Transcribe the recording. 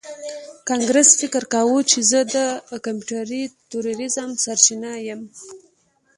کانګرس فکر کاوه چې زه د کمپیوټري تروریزم سرچینه یم